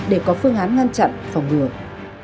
là tình hình tình hình tình